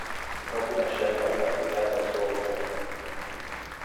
No coneixem la identitat del seu autor.